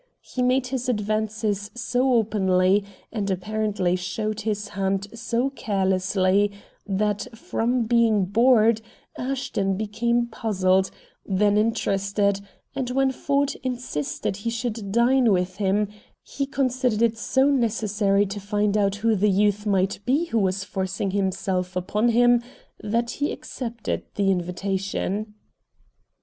He made his advances so openly, and apparently showed his hand so carelessly, that, from being bored, Ashton became puzzled, then interested; and when Ford insisted he should dine with him, he considered it so necessary to find out who the youth might be who was forcing himself upon him that he accepted the invitation.